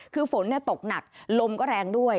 คือฝนตกหนักลมก็แรงด้วย